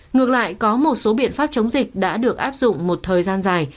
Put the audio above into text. ngược lại có một số biện pháp chống dịch đã được áp dụng một thời gian dài